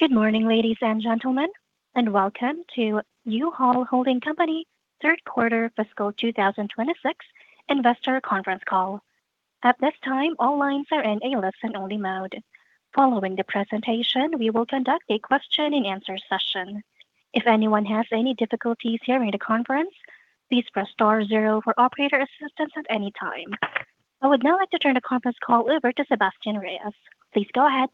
Good morning, ladies and gentlemen, and welcome to U-Haul Holding Company third quarter fiscal 2026 investor conference call. At this time, all lines are in a listen-only mode. Following the presentation, we will conduct a question and answer session. If anyone has any difficulties hearing the conference, please press star zero for operator assistance at any time. I would now like to turn the conference call over to Sebastien Reyes. Please go ahead.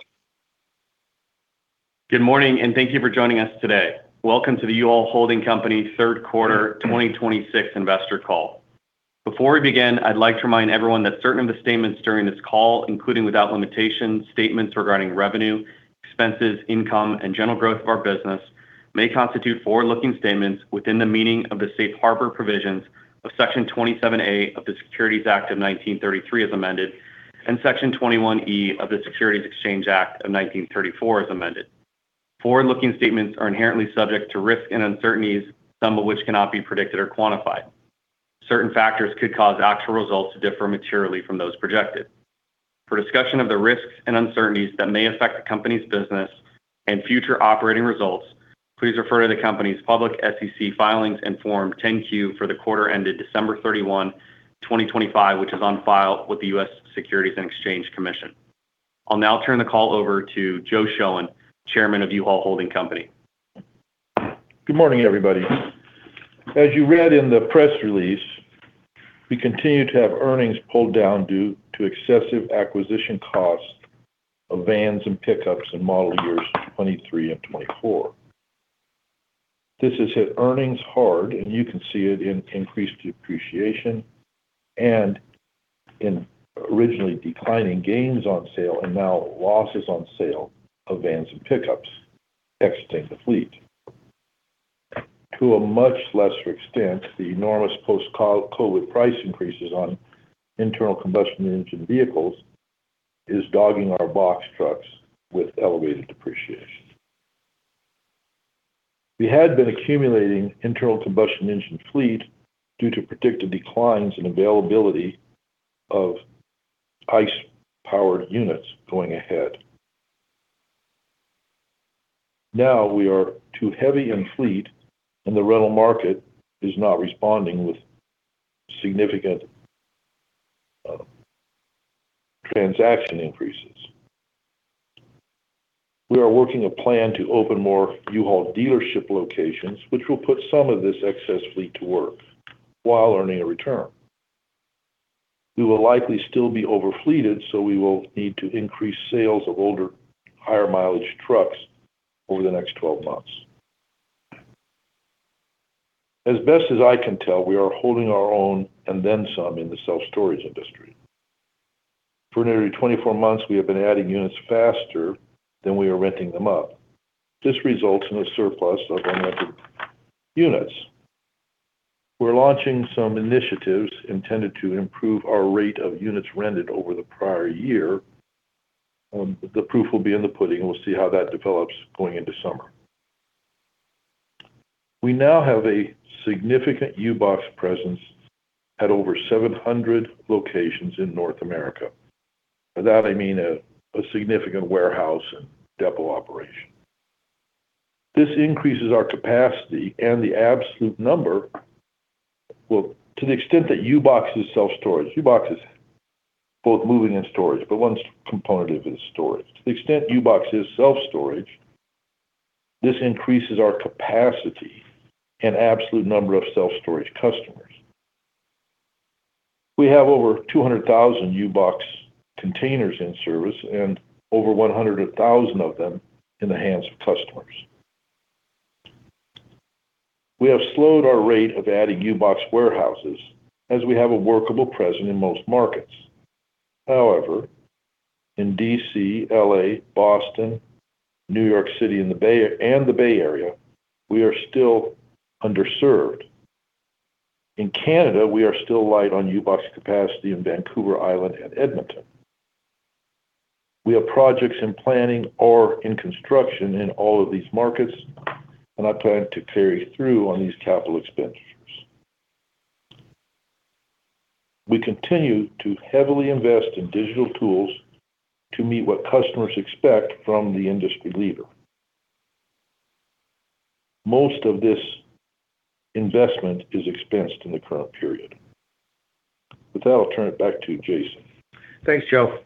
Good morning, and thank you for joining us today. Welcome to the U-Haul Holding Company third quarter 2026 investor call. Before we begin, I'd like to remind everyone that certain of the statements during this call, including without limitation, statements regarding revenue, expenses, income, and general growth of our business, may constitute forward-looking statements within the meaning of the Safe Harbor provisions of Section 27A of the Securities Act of 1933, as amended, and Section 21E of the Securities Exchange Act of 1934, as amended. Forward-looking statements are inherently subject to risks and uncertainties, some of which cannot be predicted or quantified. Certain factors could cause actual results to differ materially from those projected. For discussion of the risks and uncertainties that may affect the company's business and future operating results, please refer to the company's public SEC filings and Form 10-Q for the quarter ended December 31, 2025, which is on file with the U.S. Securities and Exchange Commission. I'll now turn the call over to Joe Shoen, Chairman of U-Haul Holding Company. Good morning, everybody. As you read in the press release, we continue to have earnings pulled down due to excessive acquisition costs of vans and pickups in model years 2023 and 2024. This has hit earnings hard, and you can see it in increased depreciation and in originally declining gains on sale and now losses on sale of vans and pickups exiting the fleet. To a much lesser extent, the enormous post-COVID price increases on internal combustion engine vehicles is dogging our box trucks with elevated depreciation. We had been accumulating internal combustion engine fleet due to predicted declines in availability of ICE-powered units going ahead. Now, we are too heavy in fleet, and the rental market is not responding with significant transaction increases. We are working a plan to open more U-Haul dealership locations, which will put some of this excess fleet to work while earning a return. We will likely still be over-fleeted, so we will need to increase sales of older, higher-mileage trucks over the next 12 months. As best as I can tell, we are holding our own and then some in the self-storage industry. For nearly 24 months, we have been adding units faster than we are renting them up. This results in a surplus of unrented units. We're launching some initiatives intended to improve our rate of units rented over the prior year. The proof will be in the pudding, and we'll see how that develops going into summer. We now have a significant U-Box presence at over 700 locations in North America. By that, I mean a significant warehouse and depot operation. This increases our capacity and the absolute number. Well, to the extent that U-Box is self-storage, U-Box is both moving and storage, but one component of it is storage. To the extent U-Box is self-storage, this increases our capacity and absolute number of self-storage customers. We have over 200,000 U-Box containers in service and over 100,000 of them in the hands of customers. We have slowed our rate of adding U-Box warehouses as we have a workable presence in most markets. However, in D.C., L.A., Boston, New York City, and the Bay Area, we are still underserved. In Canada, we are still light on U-Box capacity in Vancouver Island and Edmonton. We have projects in planning or in construction in all of these markets, and I plan to carry through on these capital expenditures. We continue to heavily invest in digital tools to meet what customers expect from the industry leader. Most of this investment is expensed in the current period. With that, I'll turn it back to you, Jason. Thanks, Joe.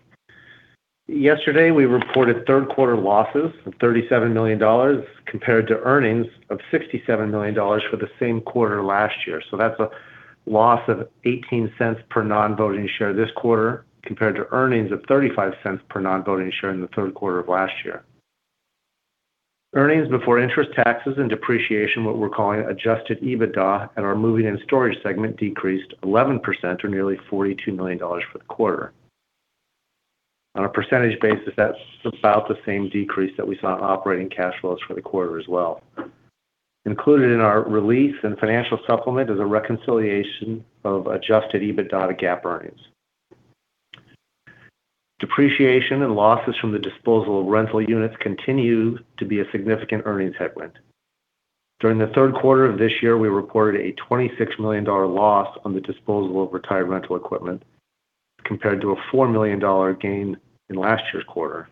Yesterday, we reported third-quarter losses of $37 million compared to earnings of $67 million for the same quarter last year. So that's a loss of $0.18 per non-voting share this quarter, compared to earnings of $0.35 per non-voting share in the third quarter of last year. Earnings before interest, taxes, and depreciation, what we're calling adjusted EBITDA, at our moving and storage segment decreased 11% or nearly $42 million for the quarter. On a percentage basis, that's about the same decrease that we saw in operating cash flows for the quarter as well. Included in our release and financial supplement is a reconciliation of adjusted EBITDA to GAAP earnings. Depreciation and losses from the disposal of rental units continue to be a significant earnings headwind. During the third quarter of this year, we reported a $26 million loss on the disposal of retired rental equipment, compared to a $4 million gain in last year's quarter.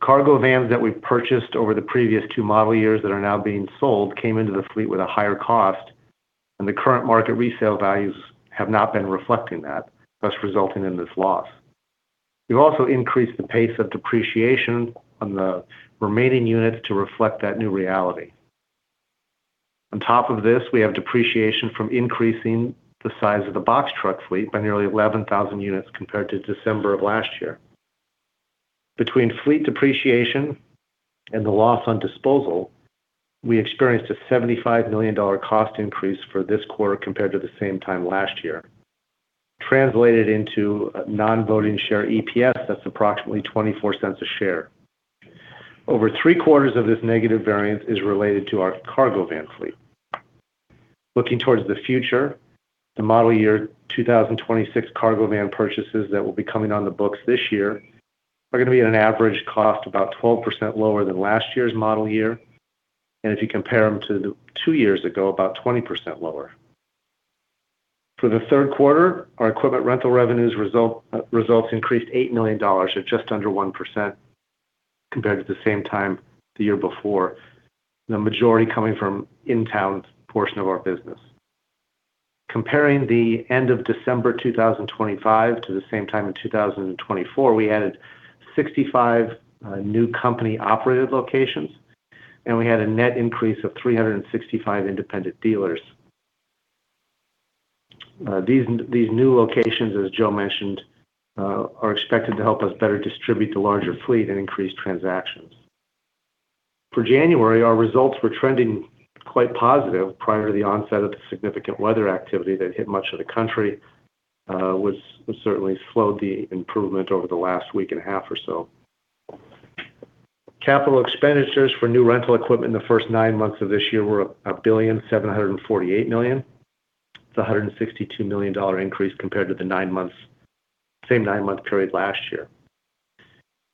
Cargo vans that we purchased over the previous two model years that are now being sold, came into the fleet with a higher cost, and the current market resale values have not been reflecting that, thus resulting in this loss. We've also increased the pace of depreciation on the remaining units to reflect that new reality. On top of this, we have depreciation from increasing the size of the box truck fleet by nearly 11,000 units compared to December of last year. Between fleet depreciation and the loss on disposal, we experienced a $75 million cost increase for this quarter compared to the same time last year. Translated into non-voting share EPS, that's approximately 24 cents a share. Over three-quarters of this negative variance is related to our cargo van fleet. Looking toward the future, the model year 2026 cargo van purchases that will be coming on the books this year are gonna be at an average cost about 12% lower than last year's model year, and if you compare them to two years ago, about 20% lower. For the third quarter, our equipment rental revenues results increased $8 million at just under 1% compared to the same time the year before. The majority coming from in-town portion of our business. Comparing the end of December 2025 to the same time in 2024, we added 65 new company-operated locations, and we had a net increase of 365 independent dealers. These new locations, as Joe mentioned, are expected to help us better distribute the larger fleet and increase transactions. For January, our results were trending quite positive prior to the onset of the significant weather activity that hit much of the country, which has certainly slowed the improvement over the last week and a half or so. Capital expenditures for new rental equipment in the first nine months of this year were $1.748 billion. It's a $162 million increase compared to the same nine-month period last year.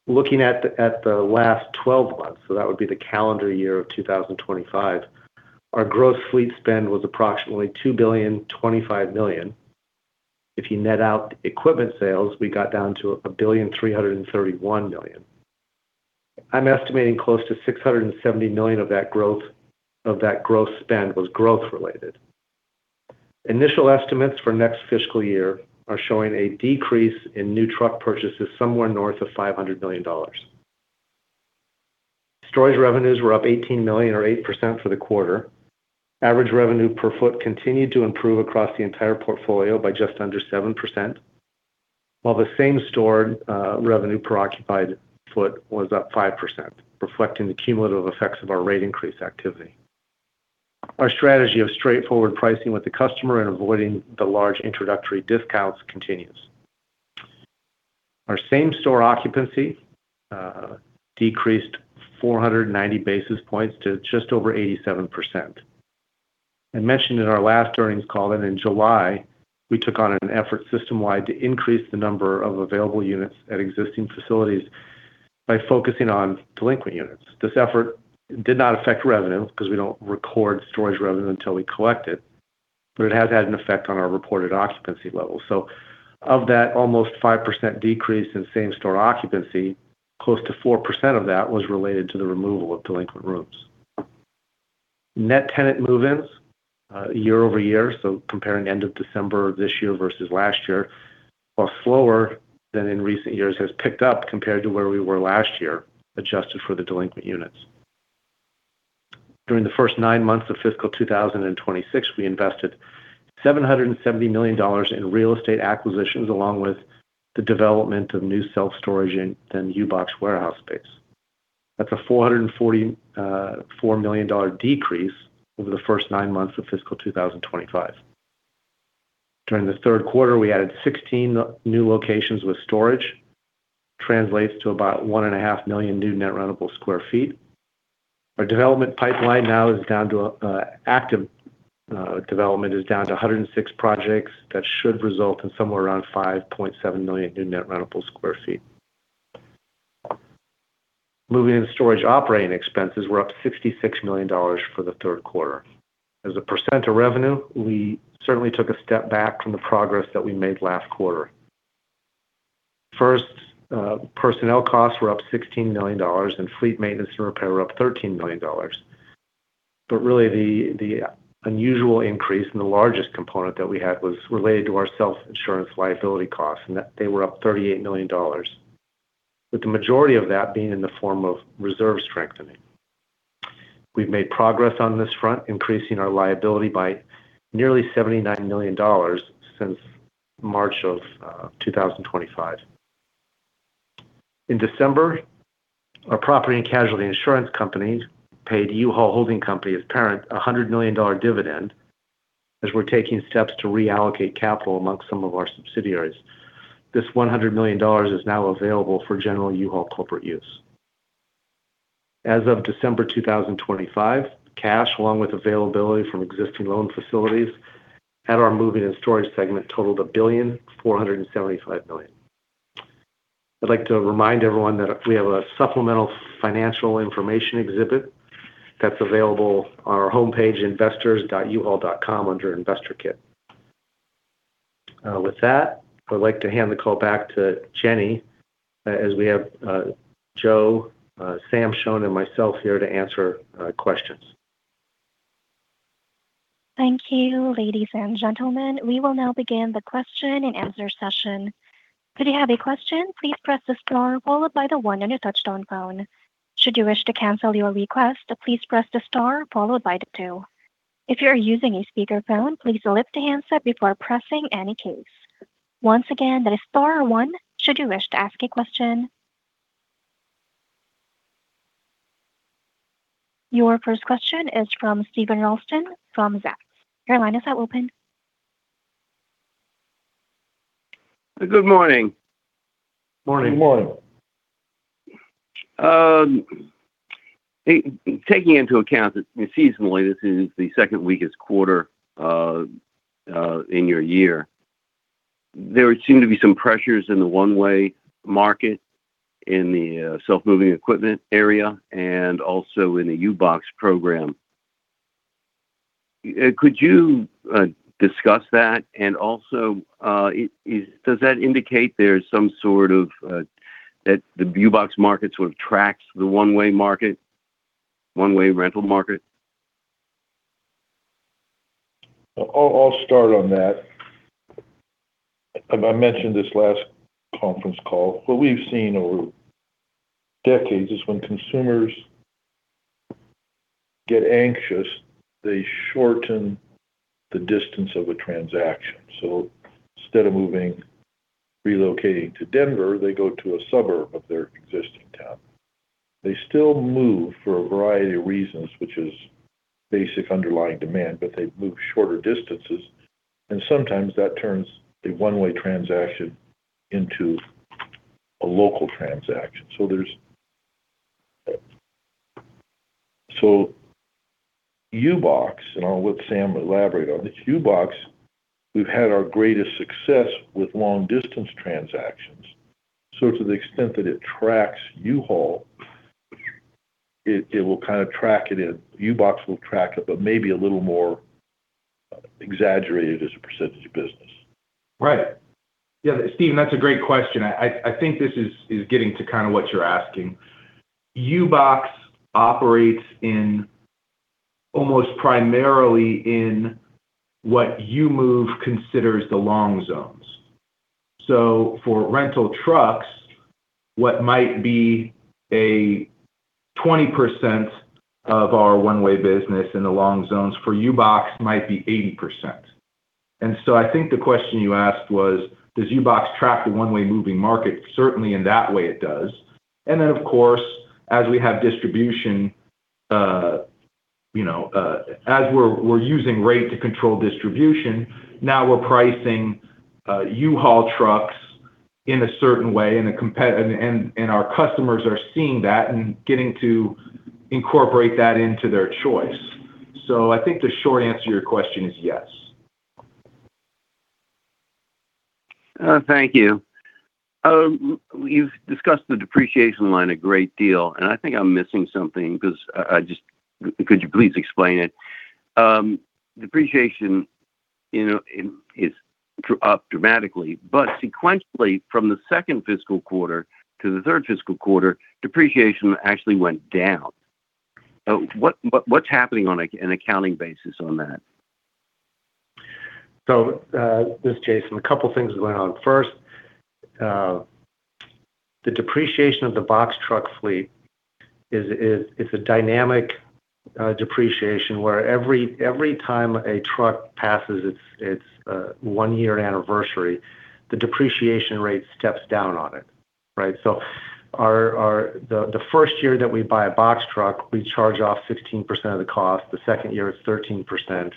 Looking at the last 12 months, so that would be the calendar year of 2025, our gross fleet spend was approximately $2.025 billion. If you net out equipment sales, we got down to $1.331 billion. I'm estimating close to $670 million of that growth spend was growth-related. Initial estimates for next fiscal year are showing a decrease in new truck purchases somewhere north of $500 million. Storage revenues were up $18 million or 8% for the quarter. Average revenue per foot continued to improve across the entire portfolio by just under 7%, while the same-store revenue per occupied foot was up 5%, reflecting the cumulative effects of our rate increase activity. Our strategy of straightforward pricing with the customer and avoiding the large introductory discounts continues. Our same-store occupancy decreased 490 basis points to just over 87%. I mentioned in our last earnings call that in July, we took on an effort system-wide to increase the number of available units at existing facilities by focusing on delinquent units. This effort did not affect revenue, because we don't record storage revenue until we collect it, but it has had an effect on our reported occupancy levels. So of that, almost 5% decrease in same-store occupancy, close to 4% of that was related to the removal of delinquent rooms. Net tenant move-ins, year over year, so comparing end of December this year versus last year, while slower than in recent years, has picked up compared to where we were last year, adjusted for the delinquent units. During the first nine months of fiscal 2026, we invested $770 million in real estate acquisitions, along with the development of new self-storage and U-Box warehouse space. That's a $444 million decrease over the first nine months of fiscal 2025. During the third quarter, we added 16 new locations with storage. Translates to about 1.5 million new net rentable sq ft. Our development pipeline now is down to active development is down to 106 projects that should result in somewhere around 5.7 million new net rentable sq ft. Moving and storage operating expenses were up $66 million for the third quarter. As a % of revenue, we certainly took a step back from the progress that we made last quarter. First, personnel costs were up $16 million, and fleet maintenance and repair were up $13 million. But really, the unusual increase in the largest component that we had was related to our self-insurance liability costs, and that they were up $38 million, with the majority of that being in the form of reserve strengthening. We've made progress on this front, increasing our liability by nearly $79 million since March of 2025. In December, our property and casualty insurance companies paid U-Haul Holding Company's parent a $100 million dividend, as we're taking steps to reallocate capital amongst some of our subsidiaries. This $100 million is now available for general U-Haul corporate use. As of December 2025, cash, along with availability from existing loan facilities at our moving and storage segment, totaled $1.475 billion. I'd like to remind everyone that we have a supplemental financial information exhibit that's available on our homepage, investors.uhaul.com, under Investor Kit. With that, I'd like to hand the call back to Jenny, as we have Joe, Sam Shoen, and myself here to answer questions. Thank you, ladies and gentlemen. We will now begin the question-and-answer session. If you have a question, please press the star followed by the one on your touchtone phone. Should you wish to cancel your request, please press the star followed by the two. If you're using a speakerphone, please lift the handset before pressing any keys. Once again, that is star one should you wish to ask a question. Your first question is from Steven Ralston from Zacks. Your line is now open. Good morning. Morning. Good morning. Taking into account that seasonally, this is the second weakest quarter in your year, there seem to be some pressures in the one-way market in the self-moving equipment area and also in the U-Box program. Could you discuss that? And also, does that indicate there is some sort of that the U-Box market sort of tracks the one-way market, one-way rental market? I'll, I'll start on that. As I mentioned this last conference call, what we've seen over decades is when consumers get anxious, they shorten the distance of a transaction. So instead of moving, relocating to Denver, they go to a suburb of their existing town. They still move for a variety of reasons, which is basic underlying demand, but they move shorter distances, and sometimes that turns a one-way transaction into a local transaction. So there's... So U-Box, and I'll let Sam elaborate on this. U-Box, we've had our greatest success with long-distance transactions. So to the extent that it tracks U-Haul, it, it will kind of track it in, U-Box will track it, but maybe a little more exaggerated as a percentage of business. Right. Yeah, Steven, that's a great question. I think this is getting to kind of what you're asking. U-Box operates in almost primarily in what U-Move considers the long zones. So for rental trucks, what might be 20% of our one-way business in the long zones, for U-Box might be 80%. And so I think the question you asked was, does U-Box track the one-way moving market? Certainly, in that way, it does. And then, of course, as we have distribution, you know, as we're using rate to control distribution, now we're pricing U-Haul trucks in a certain way, and our customers are seeing that and getting to incorporate that into their choice. So I think the short answer to your question is yes. Thank you. You've discussed the depreciation line a great deal, and I think I'm missing something because I just... Could you please explain it? Depreciation, you know, is up dramatically, but sequentially, from the second fiscal quarter to the third fiscal quarter, depreciation actually went down. What's happening on an accounting basis on that? So, this is Jason. A couple things going on. First, the depreciation of the box truck fleet is, it's a dynamic depreciation, where every time a truck passes its one-year anniversary, the depreciation rate steps down on it, right? So our, the first year that we buy a box truck, we charge off 16% of the cost, the second year is 13%,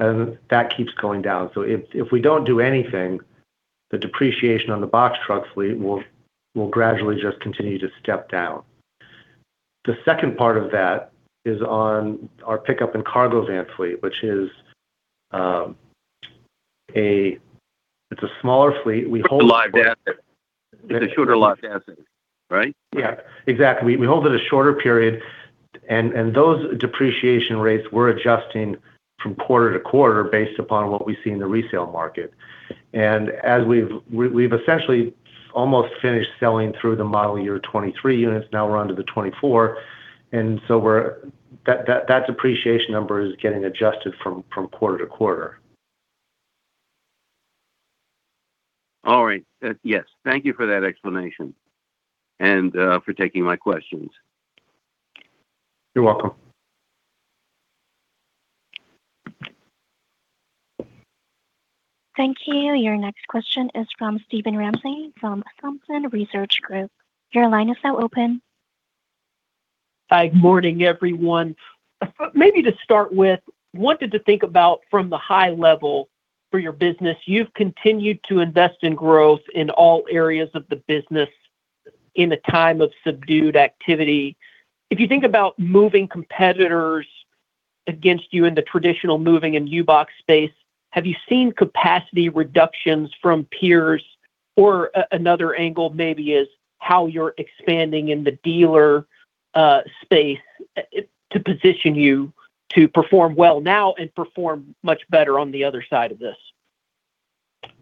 and that keeps going down. So if we don't do anything, the depreciation on the box truck fleet will gradually just continue to step down. The second part of that is on our pickup and cargo van fleet, which is, it's a smaller fleet. It's a live asset. It's a shorter live asset, right? Yeah, exactly. We hold it a shorter period, and those depreciation rates we're adjusting from quarter to quarter based upon what we see in the resale market. And as we've essentially almost finished selling through the model year 2023 units, now we're onto the 2024, and so we're, that depreciation number is getting adjusted from quarter to quarter. All right. Yes. Thank you for that explanation and for taking my questions. You're welcome. Thank you. Your next question is from Steven Ramsey, from Thompson Research Group. Your line is now open. Hi. Good morning, everyone. Maybe to start with, wanted to think about from the high level for your business, you've continued to invest in growth in all areas of the business in a time of subdued activity. If you think about moving competitors against you in the traditional moving and U-Box space, have you seen capacity reductions from peers? Or another angle maybe is, how you're expanding in the dealer space to position you to perform well now and perform much better on the other side of this?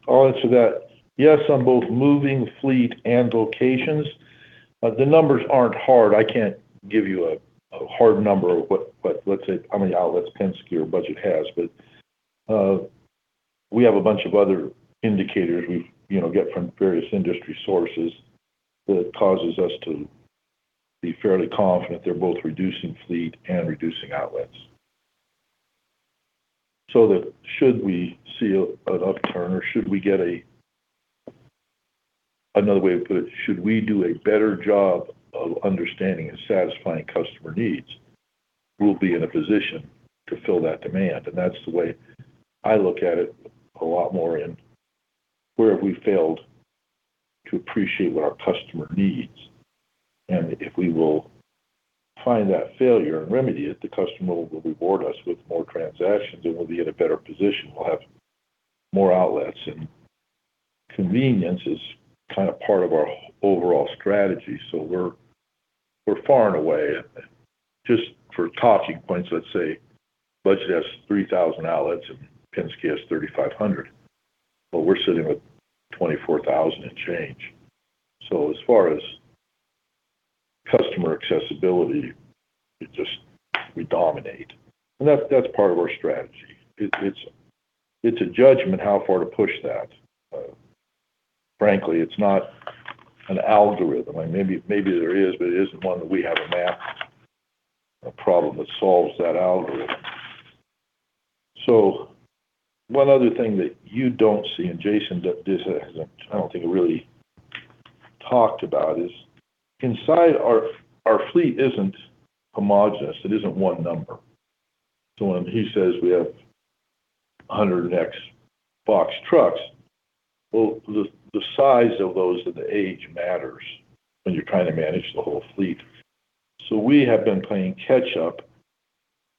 I'll answer that. Yes, on both moving, fleet, and locations. But the numbers aren't hard. I can't give you a hard number of what, let's say, how many outlets Penske or Budget has, but we have a bunch of other indicators we, you know, get from various industry sources that causes us to be fairly confident they're both reducing fleet and reducing outlets. So that should we see an upturn or should we get another way to put it, should we do a better job of understanding and satisfying customer needs, we'll be in a position to fill that demand, and that's the way I look at it, a lot more in, where have we failed to appreciate what our customer needs? And if we will find that failure and remedy it, the customer will reward us with more transactions, and we'll be in a better position. We'll have more outlets, and convenience is kinda part of our overall strategy. So we're far and away. And just for talking points, let's say Budget has 3,000 outlets, and Penske has 3,500, but we're sitting with 24,000 and change. So as far as customer accessibility, we just dominate. And that's part of our strategy. It's a judgment how far to push that. Frankly, it's not an algorithm, and maybe there is, but it isn't one that we have a math problem that solves that algorithm. So one other thing that you don't see, and Jason, that this, I don't think it really talked about, is inside our, our fleet isn't homogeneous, it isn't one number. So when he says we have 100 and X box trucks, well, the size of those and the age matters when you're trying to manage the whole fleet. So we have been playing catch up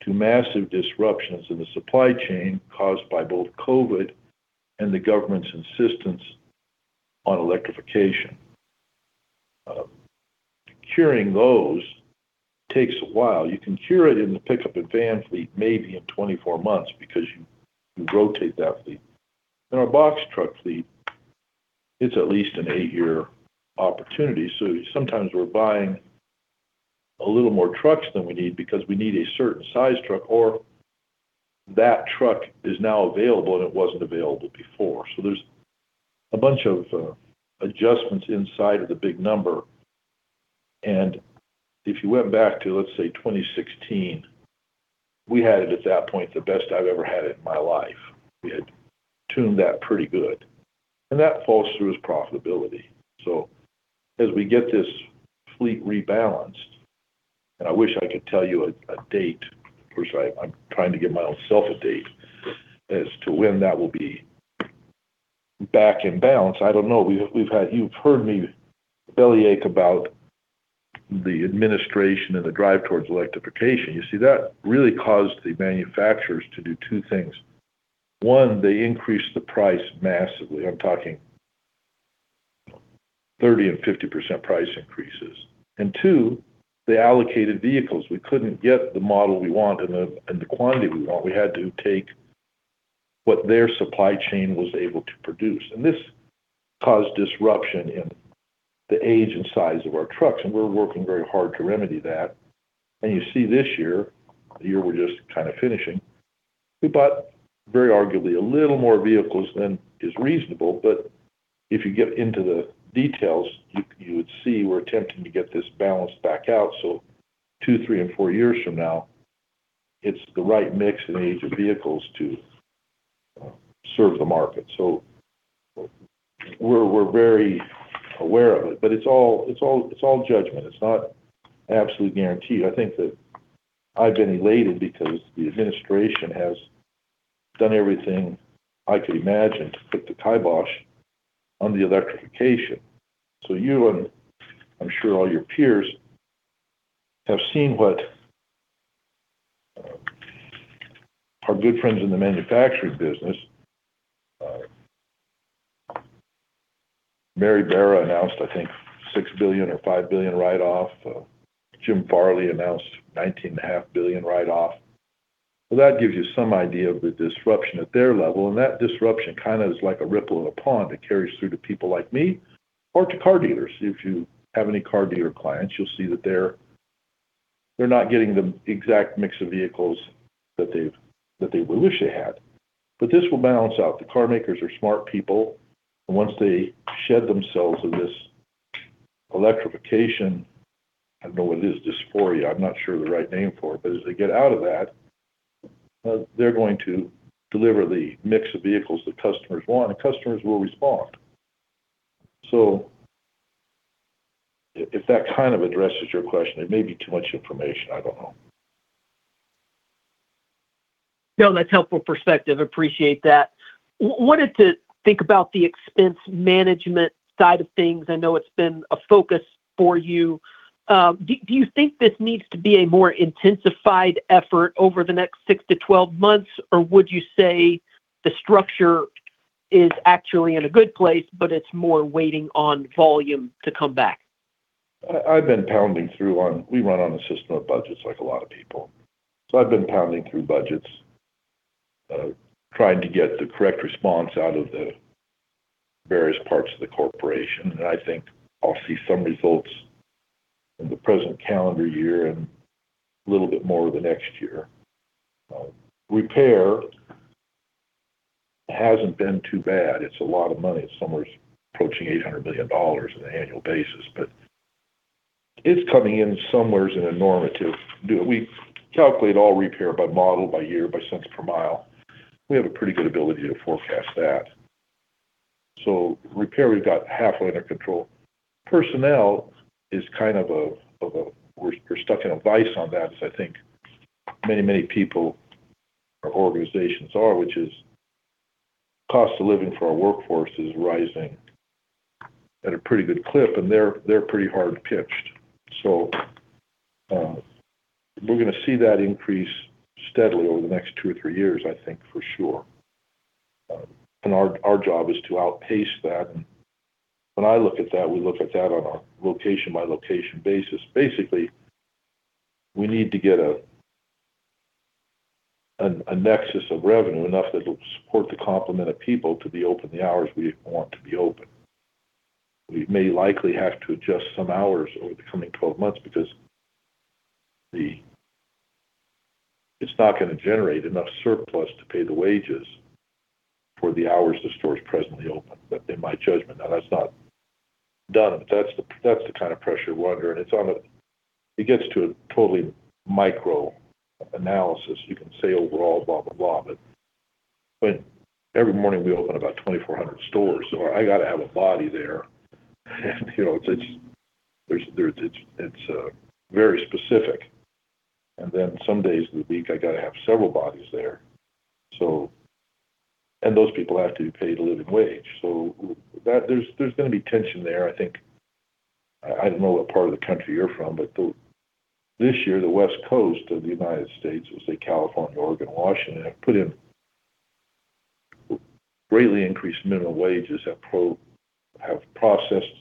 to massive disruptions in the supply chain caused by both COVID and the government's insistence on electrification. Curing those takes a while. You can cure it in the pickup and van fleet, maybe in 24 months because you rotate that fleet. In our box truck fleet, it's at least an eight-year opportunity, so sometimes we're buying a little more trucks than we need because we need a certain size truck, or that truck is now available, and it wasn't available before. So there's a bunch of adjustments inside of the big number. If you went back to, let's say, 2016, we had it at that point, the best I've ever had it in my life. We had tuned that pretty good, and that falls through as profitability. So as we get this fleet rebalanced, and I wish I could tell you a date, of course, I'm trying to give my own self a date as to when that will be back in balance. I don't know. We've had. You've heard me bellyache about the administration and the drive towards electrification. You see, that really caused the manufacturers to do two things. One, they increased the price massively. I'm talking 30% and 50% price increases. And two, they allocated vehicles. We couldn't get the model we want and the quantity we want. We had to take what their supply chain was able to produce, and this caused disruption in the age and size of our trucks, and we're working very hard to remedy that. And you see this year, the year we're just kinda finishing, we bought very arguably a little more vehicles than is reasonable, but if you get into the details, you would see we're attempting to get this balance back out. So two, three, and four years from now, it's the right mix and age of vehicles to serve the market. So we're very aware of it, but it's all, it's all, it's all judgment. It's not absolute guarantee. I think that I've been elated because the administration has done everything I could imagine to put the kibosh on the electrification. So you and I'm sure all your peers have seen what, our good friends in the manufacturing business, Mary Barra announced, I think, $6 billion or $5 billion write-off. Jim Farley announced $19.5 billion write-off. Well, that gives you some idea of the disruption at their level, and that disruption kinda is like a ripple in a pond. It carries through to people like me or to car dealers. If you have any car dealer clients, you'll see that they're, they're not getting the exact mix of vehicles that they've-- that they would wish they had. But this will balance out. The car makers are smart people, and once they shed themselves of this electrification, I don't know what it is, dysphoria, I'm not sure of the right name for it, but as they get out of that, they're going to deliver the mix of vehicles that customers want, and customers will respond. So if that kind of addresses your question, it may be too much information. I don't know. No, that's helpful perspective. Appreciate that. Wanted to think about the expense management side of things. I know it's been a focus for you. Do you think this needs to be a more intensified effort over the next six to 12 months, or would you say the structure is actually in a good place, but it's more waiting on volume to come back? I've been pounding through on... We run on a system of budgets like a lot of people, so I've been pounding through budgets, trying to get the correct response out of the various parts of the corporation, and I think I'll see some results in the present calendar year and a little bit more of the next year. Repair hasn't been too bad. It's a lot of money. It's somewhere approaching $800 billion on an annual basis, but it's coming in somewhere in a normative. We calculate all repair by model, by year, by cents per mile. We have a pretty good ability to forecast that. So repair, we've got halfway under control. Personnel is kind of a vice on that, as I think many people or organizations are, which is cost of living for our workforce is rising at a pretty good clip, and they're pretty hard pitched. So, we're gonna see that increase steadily over the next two or three years, I think, for sure. And our job is to outpace that. When I look at that, we look at that on a location-by-location basis. Basically, we need to get a nexus of revenue, enough that it will support the complement of people to be open the hours we want to be open. We may likely have to adjust some hours over the coming 12 months because the... It's not gonna generate enough surplus to pay the wages for the hours the store is presently open, but in my judgment, now that's not done. But that's the, that's the kind of pressure we're under, and it's on a... It gets to a totally micro analysis. You can say overall, blah, blah, blah, but, but every morning we open about 2,400 stores, so I got to have a body there. And, you know, it's, there's, there's, it's, it's very specific, and then some days of the week, I got to have several bodies there. So, and those people have to be paid a living wage. So that, there's, there's gonna be tension there, I think. I don't know what part of the country you're from, but this year, the West Coast of the United States, let's say California, Oregon, Washington, have put in greatly increased minimum wages, have processed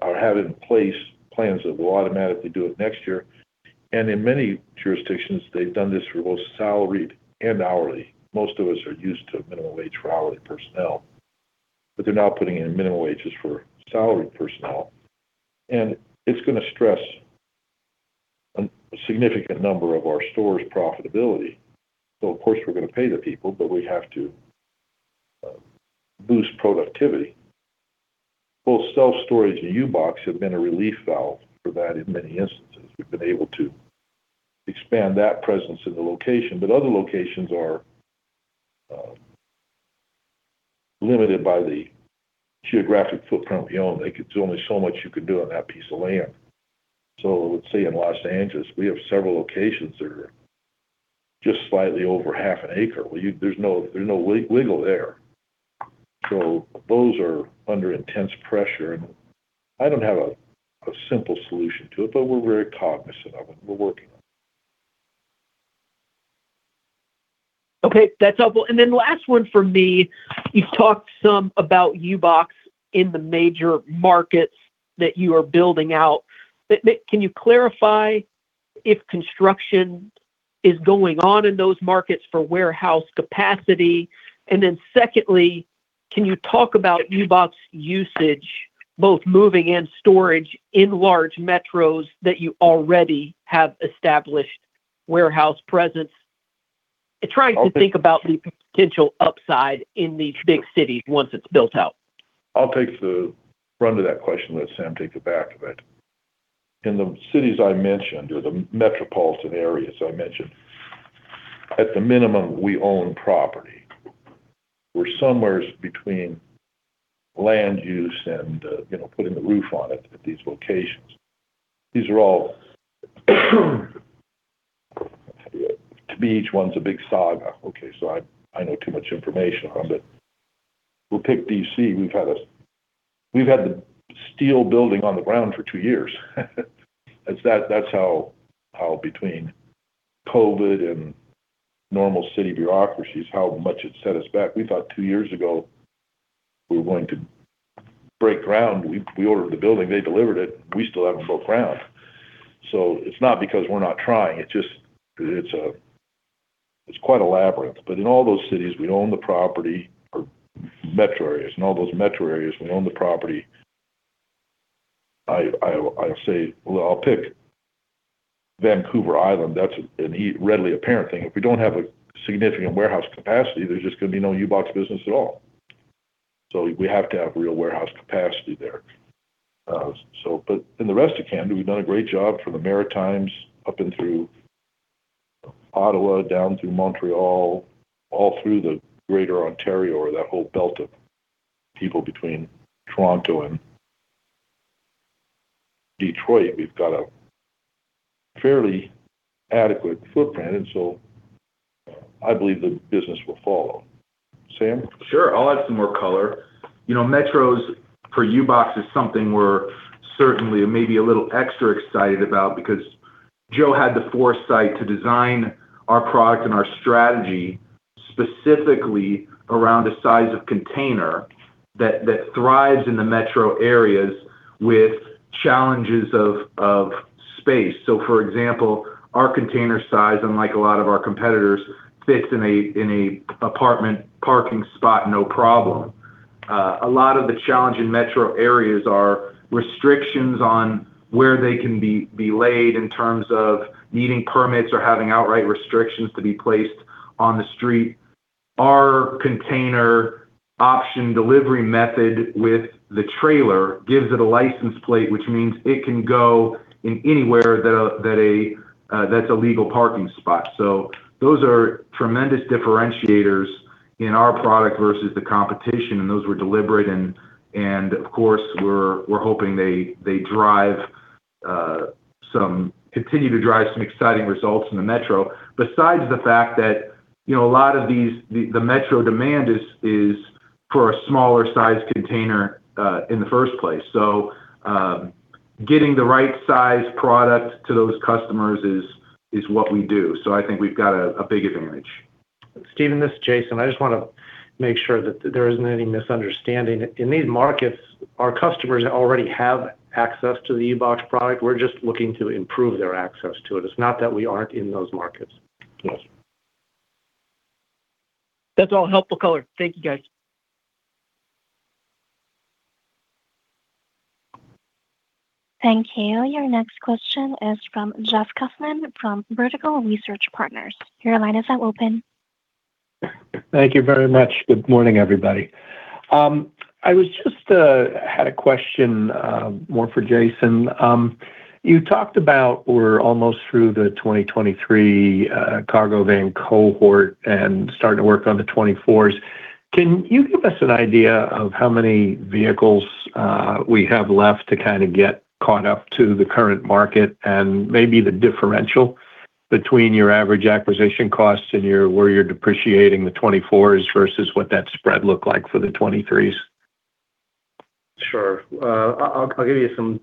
or have in place plans that will automatically do it next year. And in many jurisdictions, they've done this for both salaried and hourly. Most of us are used to minimum wage for hourly personnel, but they're now putting in minimum wages for salaried personnel, and it's gonna stress a significant number of our store's profitability. So of course, we're gonna pay the people, but we have to boost productivity. Both self-storage and U-Box have been a relief valve for that in many instances. We've been able to expand that presence in the location, but other locations are limited by the geographic footprint we own. There could only so much you can do on that piece of land. So let's say in Los Angeles, we have several locations that are just slightly over half an acre. Well, there's no wiggle there. So those are under intense pressure, and I don't have a simple solution to it, but we're very cognizant of it. We're working on it. Okay, that's helpful. And then last one from me: You've talked some about U-Box in the major markets that you are building out. But, but can you clarify if construction is going on in those markets for warehouse capacity? And then secondly, can you talk about U-Box usage, both moving and storage, in large metros that you already have established warehouse presence? I'm trying to think about the potential upside in these big cities once it's built out. I'll take the front of that question, let Sam take the back of it. In the cities I mentioned, or the metropolitan areas I mentioned, at the minimum, we own property. We're somewhere between land use and, you know, putting a roof on it at these locations. These are all, to me, each one's a big saga. Okay, so I know too much information on, but we'll pick D.C. We've had the steel building on the ground for two years. That's how between COVID and normal city bureaucracies, how much it set us back. We thought two years ago we were going to break ground. We ordered the building, they delivered it, we still haven't broke ground. So it's not because we're not trying, it just, it's quite a labyrinth, but in all those cities, we own the property or metro areas. In all those metro areas, we own the property. I'll say... Well, I'll pick Vancouver Island. That's a readily apparent thing. If we don't have a significant warehouse capacity, there's just gonna be no U-Box business at all. So we have to have real warehouse capacity there. So, but in the rest of Canada, we've done a great job from the Maritimes up and through Ottawa, down through Montreal, all through the Greater Ontario, or that whole belt of people between Toronto and Detroit, we've got a fairly adequate footprint, and so I believe the business will follow. Sam? Sure, I'll add some more color. You know, metros for U-Box is something we're certainly maybe a little extra excited about because Joe had the foresight to design our product and our strategy specifically around the size of container that thrives in the metro areas with challenges of space. So for example, our container size, unlike a lot of our competitors, fits in a apartment parking spot, no problem. A lot of the challenge in metro areas are restrictions on where they can be laid in terms of needing permits or having outright restrictions to be placed on the street. Our container option delivery method with the trailer gives it a license plate, which means it can go in anywhere that that's a legal parking spot. So those are tremendous differentiators in our product versus the competition, and those were deliberate, and of course, we're hoping they continue to drive some exciting results in the metro. Besides the fact that, you know, a lot of the metro demand is for a smaller size container in the first place. So, getting the right size product to those customers is what we do. So I think we've got a big advantage. Steven, this is Jason. I just want to make sure that there isn't any misunderstanding. In these markets, our customers already have access to the U-Box product. We're just looking to improve their access to it. It's not that we aren't in those markets. Yes. That's all helpful color. Thank you, guys. Thank you. Your next question is from Jeffrey Kauffman from Vertical Research Partners. Your line is now open. Thank you very much. Good morning, everybody. I was just had a question more for Jason. You talked about we're almost through the 2023 cargo van cohort and starting to work on the 2024s. Can you give us an idea of how many vehicles we have left to kind of get caught up to the current market and maybe the differential between your average acquisition costs and your where you're depreciating the 2024s versus what that spread looked like for the 2023s? Sure. I'll give you some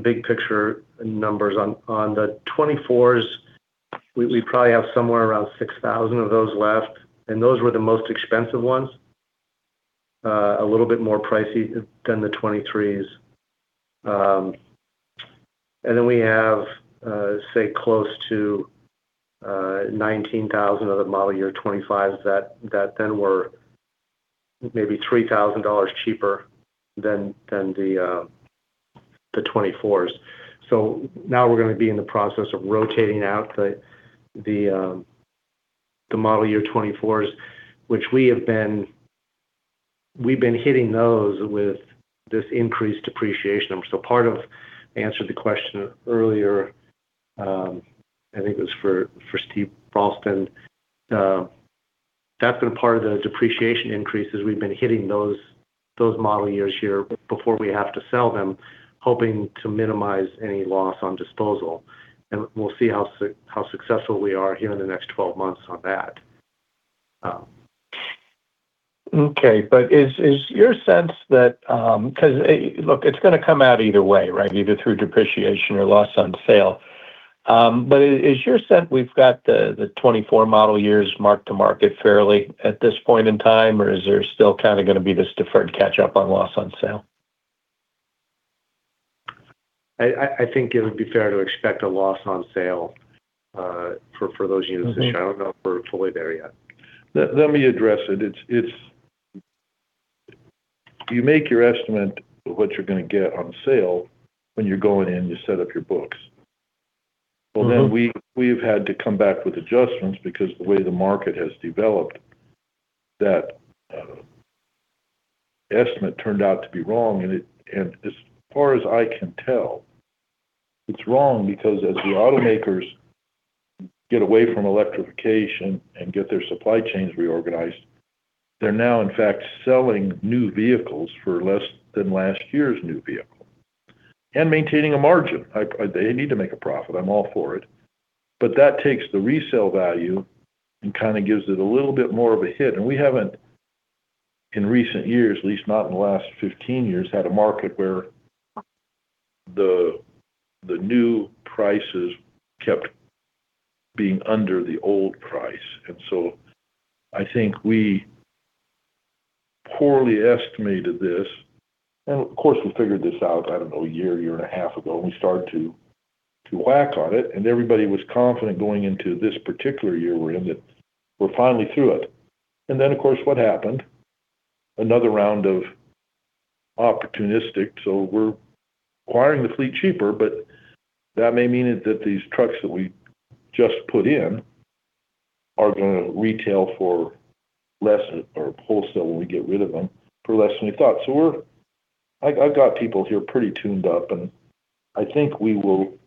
big picture numbers on the 2024s. We probably have somewhere around 6,000 of those left, and those were the most expensive ones, a little bit more pricey than the 2023s. And then we have, say, close to 19,000 of the model year 2025s that then were maybe $3,000 cheaper than the 2024s. So now we're gonna be in the process of rotating out the model year 2024s, which we have been. We've been hitting those with this increased depreciation. So part of answering the question earlier, I think it was for Steven Ralston, that's been part of the depreciation increases. We've been hitting those model years here before we have to sell them, hoping to minimize any loss on disposal. We'll see how successful we are here in the next 12 months on that. Okay, but is your sense that, 'cause, look, it's gonna come out either way, right? Either through depreciation or loss on sale. But is your sense we've got the 24 model years mark-to-market fairly at this point in time, or is there still kinda gonna be this deferred catch-up on loss on sale? I think it would be fair to expect a loss on sale for those units this year. I don't know if we're fully there yet. Let me address it. It's you make your estimate of what you're gonna get on sale when you're going in, you set up your books. Well, then we, we've had to come back with adjustments because the way the market has developed, that, estimate turned out to be wrong, and it and as far as I can tell, it's wrong because as the automakers get away from electrification and get their supply chains reorganized, they're now, in fact, selling new vehicles for less than last year's new vehicle and maintaining a margin. I, they need to make a profit. I'm all for it. But that takes the resale value and kinda gives it a little bit more of a hit. And we haven't, in recent years, at least not in the last 15 years, had a market where the new prices kept being under the old price. And so I think we poorly estimated this, and of course, we figured this out, I don't know, a year, year and a half ago, and we started to whack on it, and everybody was confident going into this particular year we're in, that we're finally through it. And then, of course, what happened? Another round of opportunistic, so we're acquiring the fleet cheaper, but that may mean that these trucks that we just put in are gonna retail for less, or wholesale when we get rid of them, for less than we thought. So we're, I've got people here pretty tuned up, and I think we will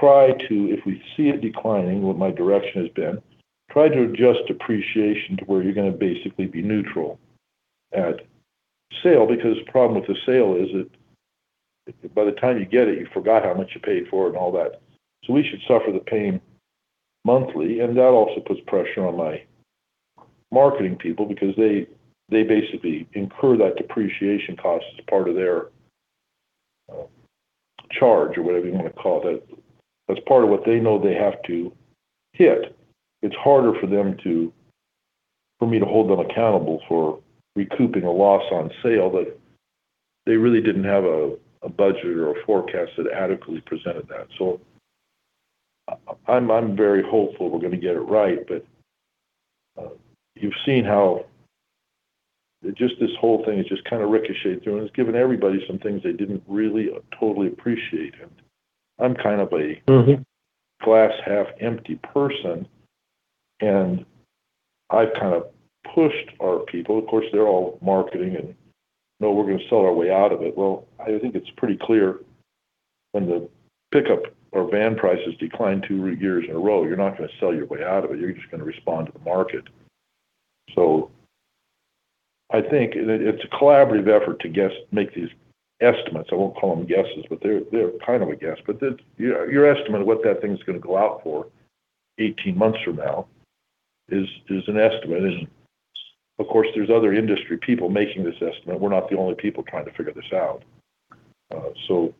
try to, if we see it declining, what my direction has been, try to adjust depreciation to where you're going to basically be neutral at sale. Because the problem with the sale is that by the time you get it, you forgot how much you paid for it and all that. So we should suffer the pain monthly, and that also puts pressure on my marketing people because they basically incur that depreciation cost as part of their charge or whatever you want to call it. That's part of what they know they have to hit. It's harder for me to hold them accountable for recouping a loss on sale that they really didn't have a budget or a forecast that adequately presented that. So I'm very hopeful we're going to get it right, but you've seen how just this whole thing has just kind of ricocheted through, and it's given everybody some things they didn't really totally appreciate. And I'm kind of a glass half empty person, and I've kind of pushed our people. Of course, they're all marketing and, "No, we're going to sell our way out of it." Well, I think it's pretty clear when the pickup or van prices decline two years in a row, you're not going to sell your way out of it. You're just going to respond to the market. So I think it, it's a collaborative effort to guess, make these estimates. I won't call them guesses, but they're, they're kind of a guess. But then, your, your estimate of what that thing is going to go out for 18 months from now is, is an estimate. And of course, there's other industry people making this estimate. We're not the only people trying to figure this out. So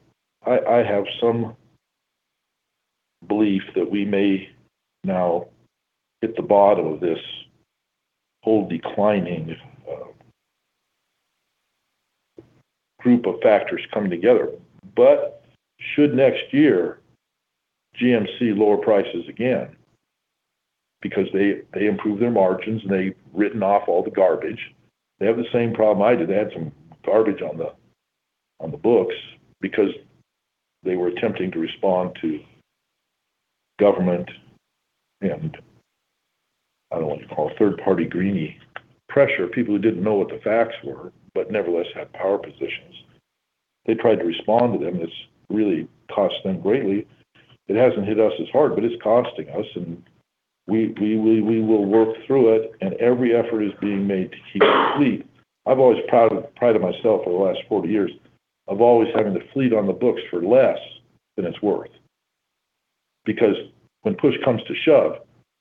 I have some belief that we may now hit the bottom of this whole declining group of factors coming together. But should next year GM lower prices again because they improved their margins and they've written off all the garbage. They have the same problem I did. They had some garbage on the books because they were attempting to respond to government, and I don't know what you call, third-party greeny pressure. People who didn't know what the facts were, but nevertheless, had power positions. They tried to respond to them, and it's really cost them greatly. It hasn't hit us as hard, but it's costing us, and we will work through it, and every effort is being made to keep the fleet. I've always prided myself over the last 40 years of always having the fleet on the books for less than it's worth. Because when push comes to shove,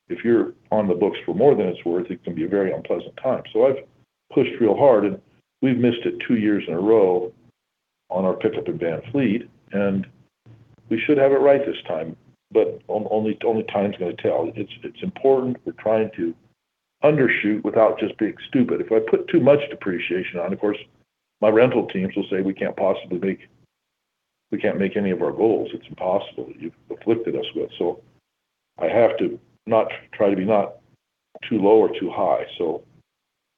if you're on the books for more than it's worth, it can be a very unpleasant time. So I've pushed real hard, and we've missed it 2 years in a row on our pickup and van fleet, and we should have it right this time, but only time is going to tell. It's important. We're trying to undershoot without just being stupid. If I put too much depreciation on, of course, my rental teams will say, "We can't possibly make any of our goals. It's impossible. You've afflicted us with." So I have to try to be not too low or too high, so.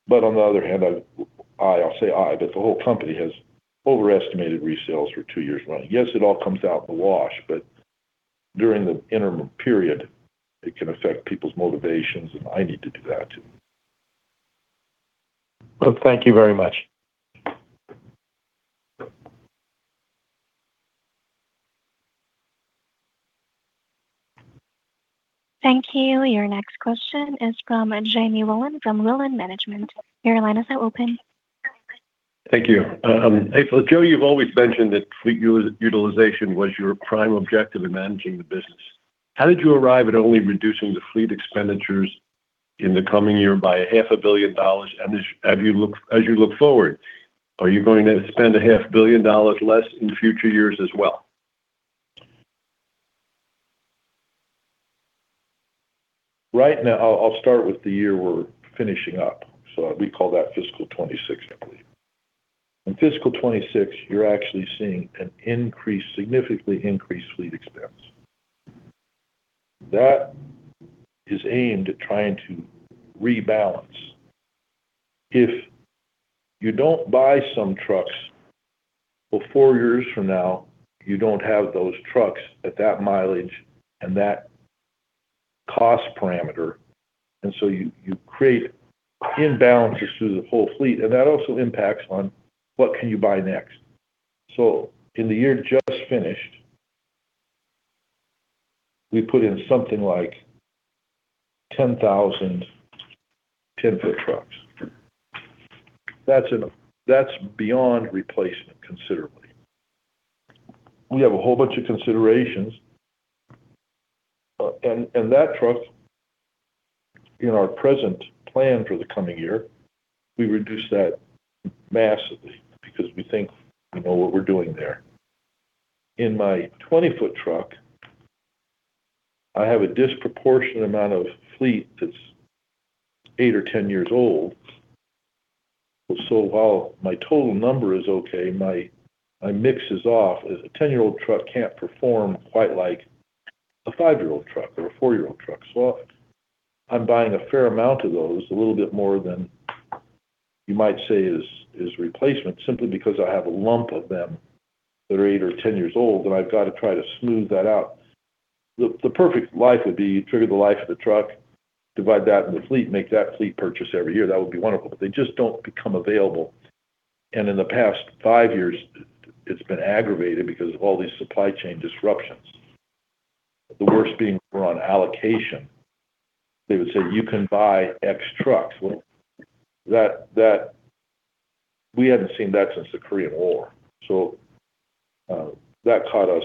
But on the other hand, I, I'll say I, but the whole company has overestimated resales for two years running. Yes, it all comes out in the wash, but during the interim period, it can affect people's motivations, and I need to do that, too. Well, thank you very much. Thank you. Your next question is from Jamie Wilen from Wilen Management. Your line is now open. Thank you. Hey, Joe, you've always mentioned that fleet utilization was your prime objective in managing the business. How did you arrive at only reducing the fleet expenditures in the coming year by $500 million? And as you look forward, are you going to spend $500 million less in future years as well? Right now, I'll start with the year we're finishing up, so we call that fiscal 2026, I believe. In fiscal 2026, you're actually seeing an increased, significantly increased fleet expense. That is aimed at trying to rebalance. If you don't buy some trucks, well, four years from now, you don't have those trucks at that mileage and that cost parameter, and so you create imbalances through the whole fleet, and that also impacts on what can you buy next. So in the year just finished, we put in something like 10,000 10-foot trucks. That's. That's beyond replacement, considerably. We have a whole bunch of considerations, and that truck, in our present plan for the coming year, we reduce that massively because we think we know what we're doing there. In my 20-foot truck, I have a disproportionate amount of fleet that's eight or 10 years old. So while my total number is okay, my, my mix is off. A 10-year-old truck can't perform quite like a five-year-old truck or a four-year-old truck. So I'm buying a fair amount of those, a little bit more than you might say is, is replacement, simply because I have a lump of them that are eight or 10 years old, and I've got to try to smooth that out. The, the perfect life would be you trigger the life of the truck, divide that in the fleet, make that fleet purchase every year. That would be wonderful, but they just don't become available and in the past five years, it's been aggravated because of all these supply chain disruptions. The worst being we're on allocation. They would say, you can buy X trucks. Well, that we haven't seen that since the Korean War. So, that caught us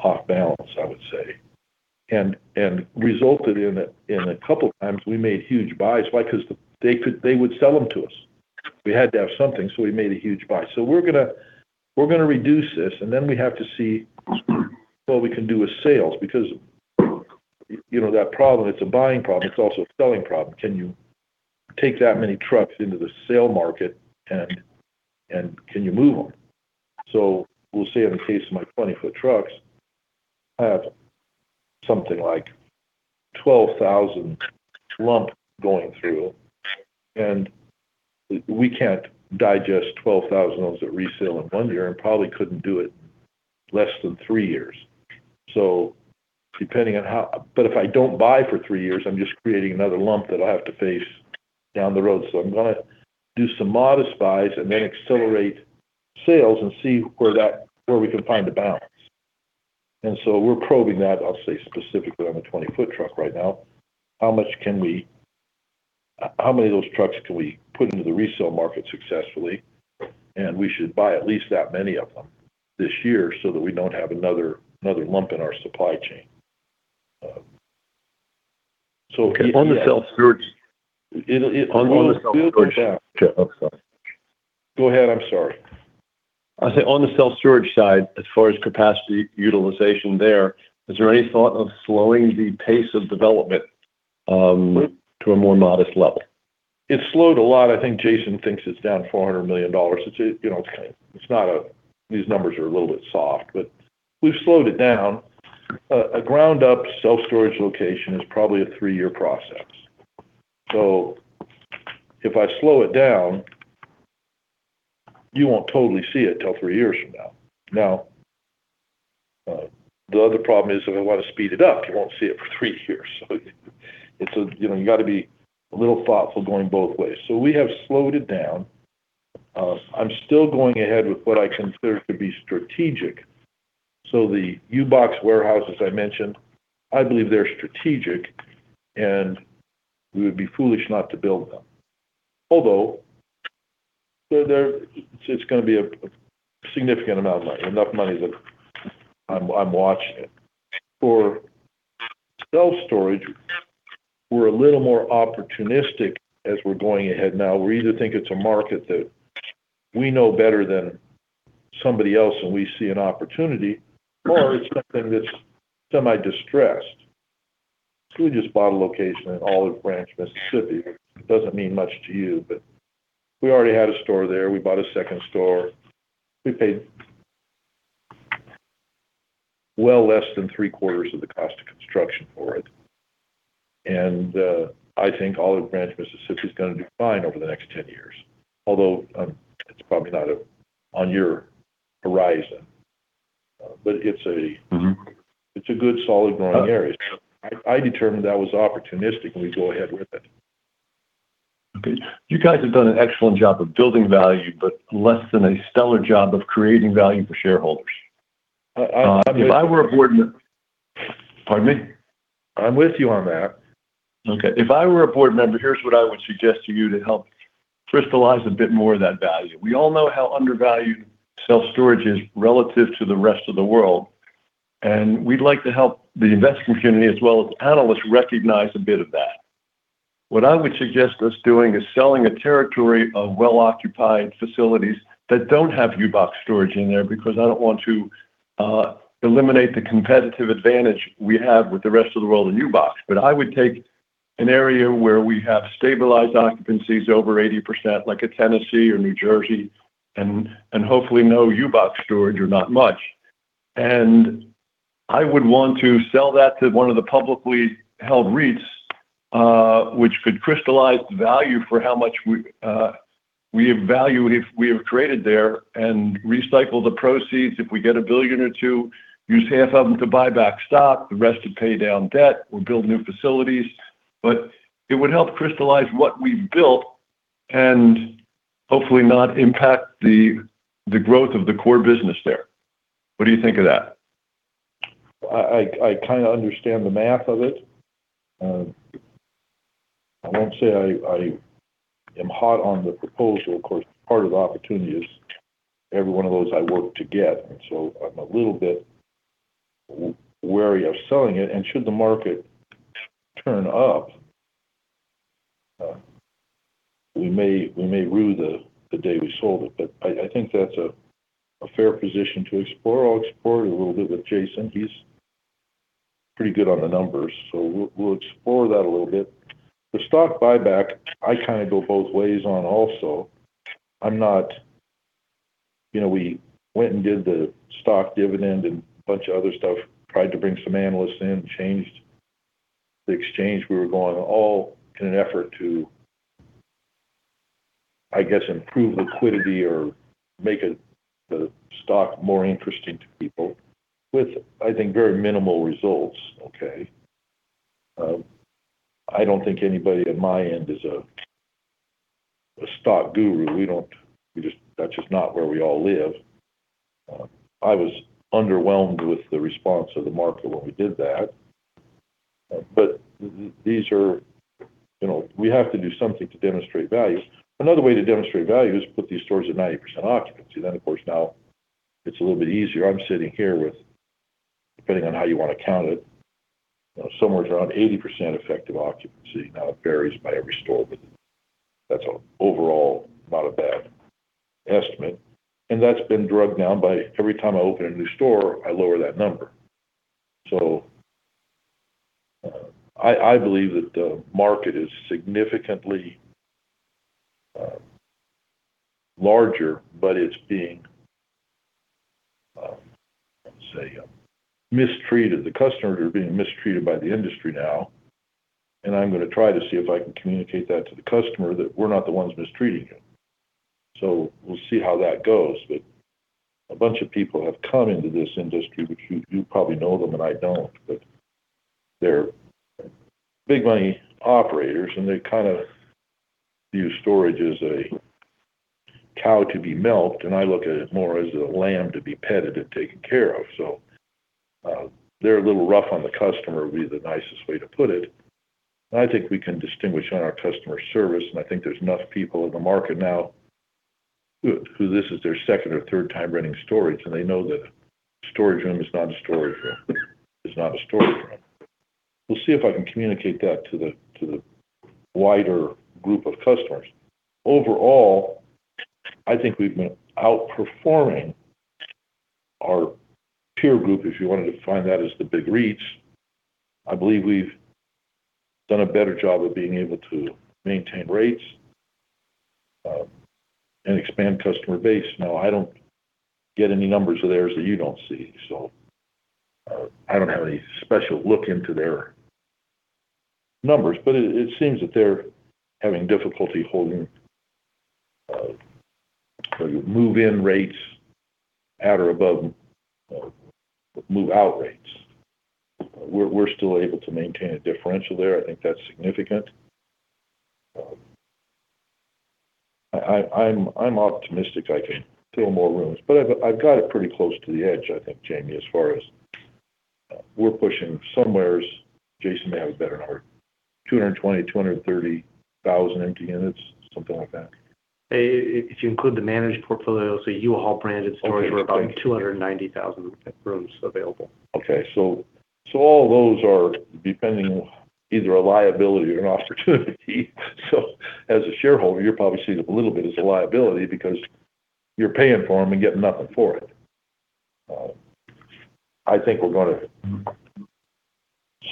off balance, I would say, and resulted in a couple of times we made huge buys. Why? Because they could, they would sell them to us. We had to have something, so we made a huge buy. So we're gonna, we're gonna reduce this, and then we have to see what we can do with sales, because, you know, that problem, it's a buying problem, it's also a selling problem. Can you take that many trucks into the sale market and, and can you move them? So we'll see in the case of my 20-foot trucks, I have something like 12,000 lump going through, and we can't digest 12,000 of those at resale in one year, and probably couldn't do it less than three years. So, but if I don't buy for three years, I'm just creating another lump that I have to face down the road. So I'm gonna do some modest buys and then accelerate sales and see where that, where we can find a balance. And so we're probing that, I'll say, specifically on the 20-foot truck right now. How many of those trucks can we put into the resale market successfully? And we should buy at least that many of them this year so that we don't have another, another lump in our supply chain. So On the self-storage, on the self-storage. Yeah, okay. Go ahead, I'm sorry. I say, on the self storage side, as far as capacity utilization there, is there any thought of slowing the pace of development to a more modest level? It slowed a lot. I think Jason thinks it's down $400 million. It's, you know, it's not a... These numbers are a little bit soft, but we've slowed it down. A ground-up self-storage location is probably a three-year process. So if I slow it down, you won't totally see it till three years from now. Now, the other problem is, if I want to speed it up, you won't see it for three years. So it's a, you know, you got to be a little thoughtful going both ways. So we have slowed it down. I'm still going ahead with what I consider to be strategic. So the U-Box warehouse, as I mentioned, I believe they're strategic, and we would be foolish not to build them. Although, so there, it's gonna be a significant amount of money, enough money that I'm watching it. For self storage, we're a little more opportunistic as we're going ahead now. We either think it's a market that we know better than somebody else, and we see an opportunity, or it's something that's semi-distressed. We just bought a location in Olive Branch, Mississippi. It doesn't mean much to you, but we already had a store there. We bought a second store. We paid well less than three-quarters of the cost of construction for it. And I think Olive Branch, Mississippi, is gonna do fine over the next 10 years, although it's probably not on your horizon, but it's a good, solid, growing area. I determined that was opportunistic, and we go ahead with it. Okay. You guys have done an excellent job of building value, but less than a stellar job of creating value for shareholders. If I were a board member. Pardon me? I'm with you on that. Okay. If I were a board member, here's what I would suggest to you to help crystallize a bit more of that value. We all know how undervalued self-storage is relative to the rest of the world, and we'd like to help the investment community, as well as analysts, recognize a bit of that. What I would suggest us doing is selling a territory of well-occupied facilities that don't have U-Box storage in there, because I don't want to eliminate the competitive advantage we have with the rest of the world in U-Box. But I would take an area where we have stabilized occupancies over 80%, like a Tennessee or New Jersey, and hopefully no U-Box storage or not much. I would want to sell that to one of the publicly held REITs, which could crystallize the value for how much we value if we have created there and recycle the proceeds, if we get $1 billion or $2 billion, use half of them to buy back stock, the rest to pay down debt or build new facilities. But it would help crystallize what we built and hopefully not impact the growth of the core business there. What do you think of that? I kinda understand the math of it. I won't say I am hot on the proposal. Of course, part of the opportunity is every one of those I work to get, and so I'm a little bit wary of selling it, and should the market turn up, we may rue the day we sold it, but I think that's a fair position to explore. I'll explore it a little bit with Jason. He's pretty good on the numbers, so we'll explore that a little bit. The stock buyback, I kinda go both ways on also. I'm not... You know, we went and did the stock dividend and a bunch of other stuff, tried to bring some analysts in, changed the exchange. We were going all in an effort to, I guess, improve liquidity or make it, the stock, more interesting to people, with, I think, very minimal results, okay? I don't think anybody at my end is a stock guru. We don't-- We just, that's just not where we all live. I was underwhelmed with the response of the market when we did that, but these are, you know, we have to do something to demonstrate value. Another way to demonstrate value is put these stores at 90% occupancy. Then, of course, now it's a little bit easier. I'm sitting here with, depending on how you want to count it, you know, somewhere around 80% effective occupancy. Now, it varies by every store, but that's an overall, not a bad estimate. And that's been dragged down by every time I open a new store, I lower that number. So, I, I believe that the market is significantly larger, but it's being, let's say, mistreated. The customers are being mistreated by the industry now, and I'm gonna try to see if I can communicate that to the customer, that we're not the ones mistreating them. So we'll see how that goes. But a bunch of people have come into this industry, which you probably know them, and I don't, but they're big money operators, and they kinda view storage as a cow to be milked, and I look at it more as a lamb to be petted and taken care of. So, they're a little rough on the customer, would be the nicest way to put it. I think we can distinguish on our customer service, and I think there's enough people in the market now, who this is their second or third time renting storage, and they know that a storage room is not a storage room, is not a storage room. We'll see if I can communicate that to the wider group of customers. Overall, I think we've been outperforming our peer group, if you wanted to define that as the big REITs. I believe we've done a better job of being able to maintain rates, and expand customer base. Now, I don't get any numbers of theirs that you don't see, so I don't have any special look into their numbers, but it seems that they're having difficulty holding move-in rates at or above move-out rates. We're still able to maintain a differential there. I think that's significant. I'm optimistic I can fill more rooms, but I've got it pretty close to the edge, I think, Jamie, as far as we're pushing somewheres. Jason may have a better number, 220,000-230,000 empty units, something like that. If you include the managed portfolio, so U-Haul branded stores were about 290,000 rooms available. Okay. So, so all those are depending either a liability or an opportunity. So as a shareholder, you're probably seeing a little bit as a liability because you're paying for them and getting nothing for it. I think we're gonna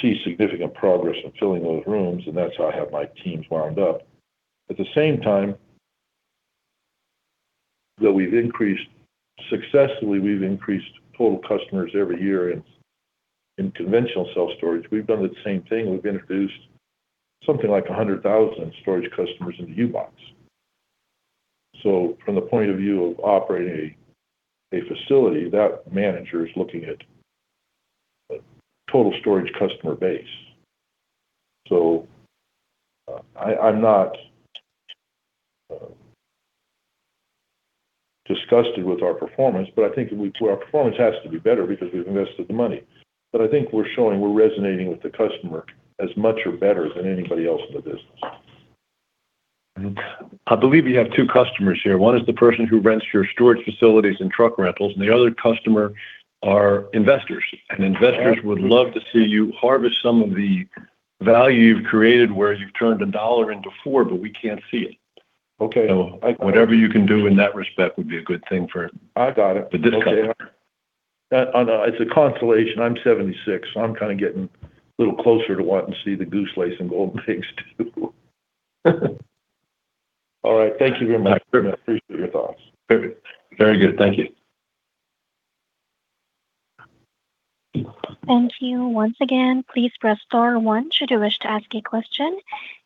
see significant progress in filling those rooms, and that's how I have my teams wound up. At the same time, though we've increased, successfully, we've increased total customers every year in conventional self-storage, we've done the same thing. We've introduced something like 100,000 storage customers into U-Box. So from the point of view of operating a facility, that manager is looking at a total storage customer base. So, I, I'm not disgusted with our performance, but I think our performance has to be better because we've invested the money. But I think we're showing we're resonating with the customer as much or better than anybody else in the business. I believe you have two customers here. One is the person who rents your storage facilities and truck rentals, and the other customer are investors. Absolutely. Investors would love to see you harvest some of the value you've created, where you've turned a dollar into four, but we can't see it. Okay. Whatever you can do in that respect would be a good thing for. I got it. For this customer. It's a consolation. I'm 76, so I'm kinda getting a little closer to wanting to see the goose lace and gold things, too. All right. Thank you very much. Thank you. I appreciate your thoughts. Very good. Thank you. Thank you. Once again, please press star one should you wish to ask a question.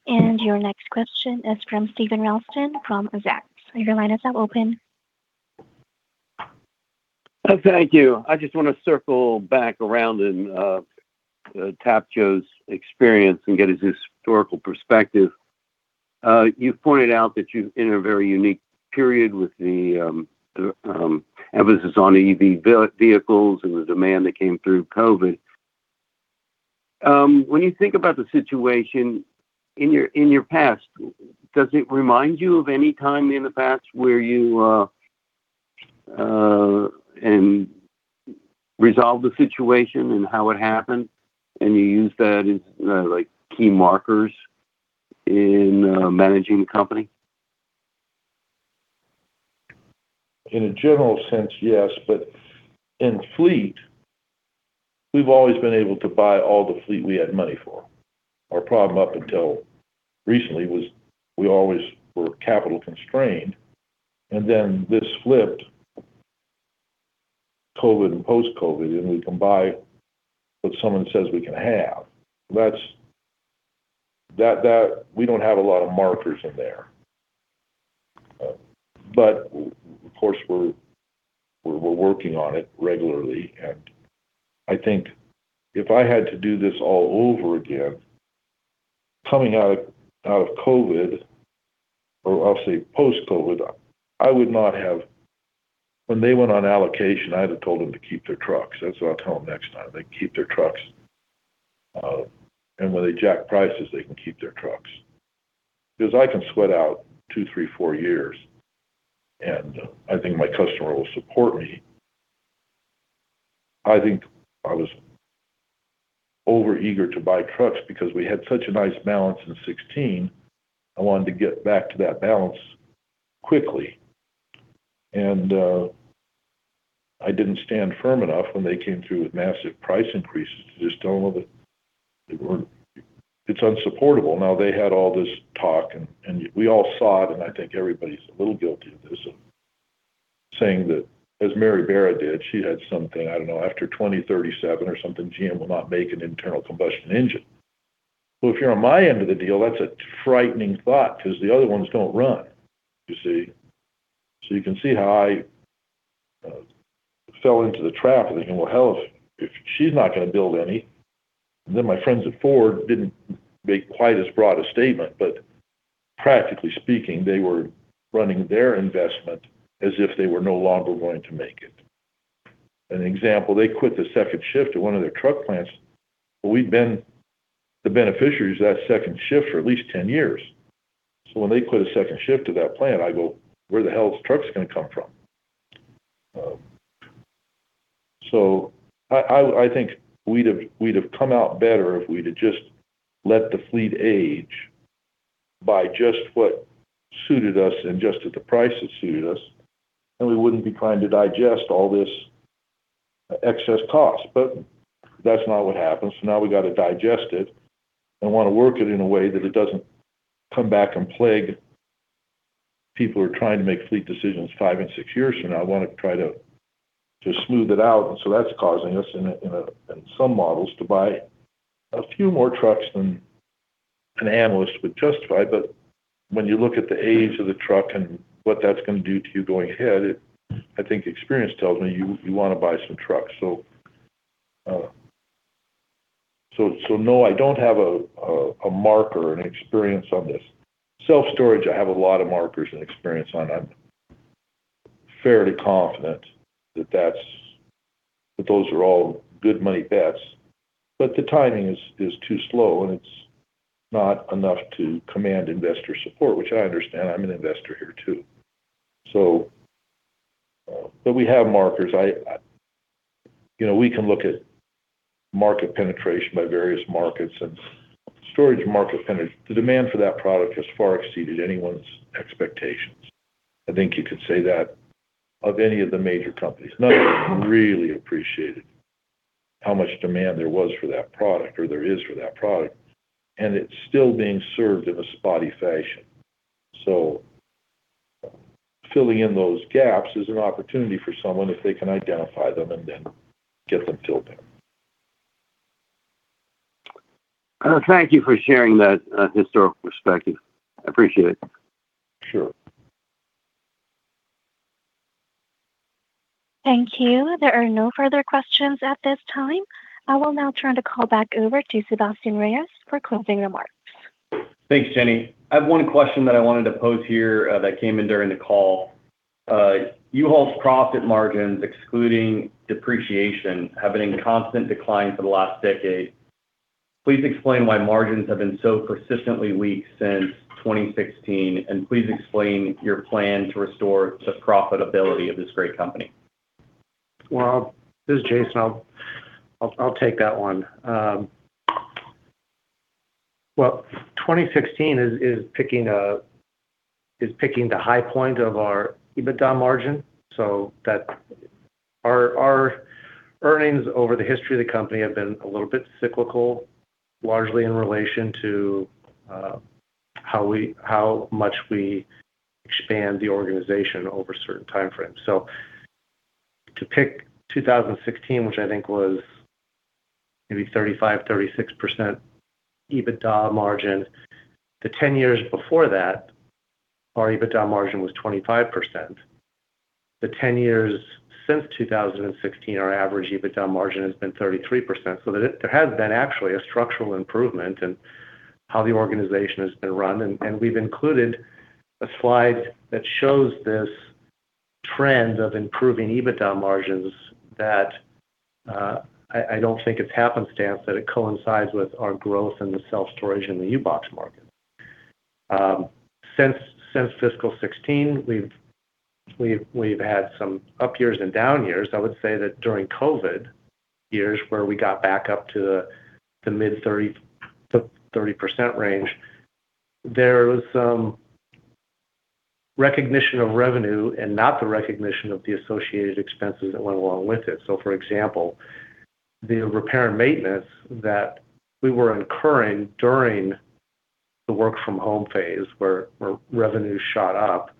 And your next question is from Steven Ralston, from Zacks. Your line is now open. Thank you. I just wanna circle back around and tap Joe's experience and get his historical perspective. You've pointed out that you're in a very unique period with the emphasis on EV vehicles and the demand that came through COVID. When you think about the situation in your past, does it remind you of any time in the past where you and resolved the situation and how it happened, and you use that as like key markers in managing the company? In a general sense, yes, but in fleet, we've always been able to buy all the fleet we had money for. Our problem up until recently was we always were capital constrained, and then this flipped, COVID and post-COVID, and we can buy what someone says we can have. That's, we don't have a lot of markers in there. But of course, we're working on it regularly, and I think if I had to do this all over again, coming out of COVID, or I'll say post-COVID, I would not have. When they went on allocation, I'd have told them to keep their trucks. That's what I'll tell them next time. They keep their trucks, and when they jack prices, they can keep their trucks. Because I can sweat out two, three, four years, and I think my customer will support me. I think I was overeager to buy trucks because we had such a nice balance in 2016. I wanted to get back to that balance quickly. And, I didn't stand firm enough when they came through with massive price increases. I just don't know that they weren't, It's unsupportable. Now, they had all this talk, and, and we all saw it, and I think everybody's a little guilty of this, of saying that, as Mary Barra did, she had something, I don't know, after 2037 or something, GM will not make an internal combustion engine. Well, if you're on my end of the deal, that's a frightening thought because the other ones don't run, you see? So you can see how I fell into the trap of thinking, "Well, hell, if she's not going to build any." And then my friends at Ford didn't make quite as broad a statement, but practically speaking, they were running their investment as if they were no longer going to make it. An example, they quit the second shift at one of their truck plants, but we've been the beneficiaries of that second shift for at least 10 years. So when they quit a second shift to that plant, I go, "Where the hell is trucks going to come from?" So I think we'd have come out better if we'd have just let the fleet age by just what suited us and just at the price that suited us, and we wouldn't be trying to digest all this excess cost. But that's not what happened, so now we got to digest it and want to work it in a way that it doesn't come back and plague people who are trying to make fleet decisions five and six years from now. I want to try to smooth it out, and so that's causing us in some models to buy a few more trucks than an analyst would justify. But when you look at the age of the truck and what that's going to do to you going ahead, it, I think experience tells me you want to buy some trucks. So no, I don't have a marker, an experience on this. Self-storage, I have a lot of markers and experience on. I'm fairly confident that that's that those are all good money bets, but the timing is too slow, and it's not enough to command investor support, which I understand. I'm an investor here, too. So, but we have markers. I, you know, we can look at market penetration by various markets and storage market penetration. The demand for that product has far exceeded anyone's expectations. I think you could say that of any of the major companies. None of them really appreciated how much demand there was for that product, or there is for that product, and it's still being served in a spotty fashion. So filling in those gaps is an opportunity for someone if they can identify them and then get them filled in. Thank you for sharing that, historical perspective. I appreciate it. Sure. Thank you. There are no further questions at this time. I will now turn the call back over to Sebastien Reyes for closing remarks. Thanks, Jenny. I have one question that I wanted to pose here, that came in during the call. U-Haul's profit margins, excluding depreciation, have been in constant decline for the last decade. Please explain why margins have been so persistently weak since 2016, and please explain your plan to restore the profitability of this great company. Well, this is Jason. I'll take that one. Well, 2016 is picking the high point of our EBITDA margin, so that our earnings over the history of the company have been a little bit cyclical, largely in relation to how much we expand the organization over a certain time frame. So to pick 2016, which I think was maybe 35%-36% EBITDA margin, the 10 years before that, our EBITDA margin was 25%. The 10 years since 2016, our average EBITDA margin has been 33%. So there has been actually a structural improvement in how the organization has been run, and we've included a slide that shows this trend of improving EBITDA margins that I don't think it's happenstance, that it coincides with our growth in the self-storage in the U-Box market. Since fiscal 2016, we've had some up years and down years. I would say that during COVID years, where we got back up to the mid-30% to 30% range, there was some recognition of revenue and not the recognition of the associated expenses that went along with it. So, for example, the repair and maintenance that we were incurring during the work-from-home phase, where revenue shot up.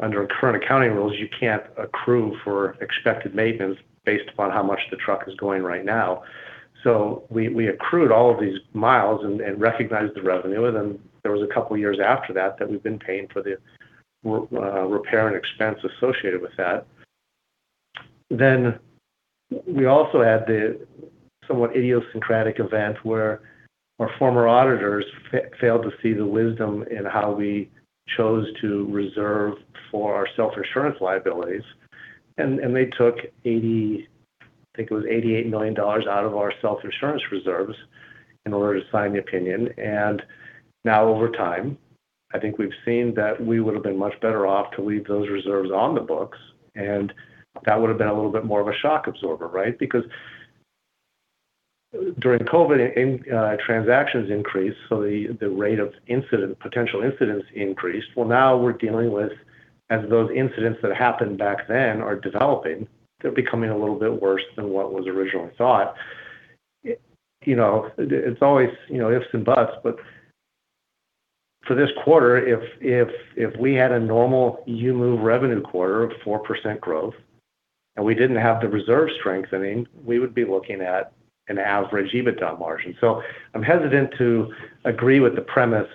Under our current accounting rules, you can't accrue for expected maintenance based upon how much the truck is going right now. So we accrued all of these miles and recognized the revenue, and then there was a couple of years after that that we've been paying for the repair and expense associated with that. Then we also had the somewhat idiosyncratic event where our former auditors failed to see the wisdom in how we chose to reserve for our self-insurance liabilities, and they took $88 million, I think it was, out of our self-insurance reserves in order to sign the opinion. And now, over time, I think we've seen that we would have been much better off to leave those reserves on the books, and that would have been a little bit more of a shock absorber, right? Because during COVID, in transactions increased, so the rate of incident, potential incidents increased. Well, now we're dealing with, as those incidents that happened back then are developing, they're becoming a little bit worse than what was originally thought. You know, it's always, you know, ifs and buts, but for this quarter, if we had a normal U-Move revenue quarter of 4% growth and we didn't have the reserve strengthening, we would be looking at an average EBITDA margin. So I'm hesitant to agree with the premise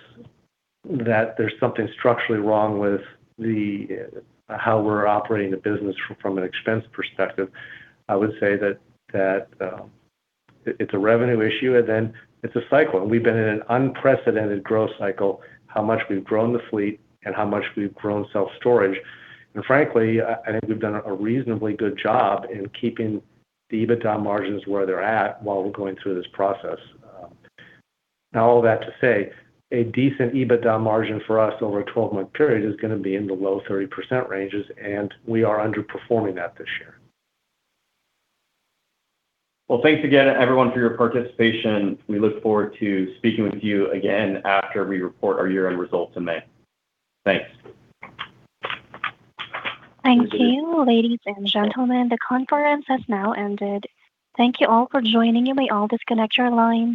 that there's something structurally wrong with the how we're operating the business from an expense perspective. I would say that it's a revenue issue, and then it's a cycle. We've been in an unprecedented growth cycle, how much we've grown the fleet and how much we've grown self-storage. Frankly, I think we've done a reasonably good job in keeping the EBITDA margins where they're at while we're going through this process. Now, all that to say, a decent EBITDA margin for us over a twelve-month period is gonna be in the low 30% ranges, and we are underperforming that this year. Well, thanks again, everyone, for your participation. We look forward to speaking with you again after we report our year-end results in May. Thanks. Thank you, ladies and gentlemen. The conference has now ended. Thank you all for joining, and may all disconnect your lines.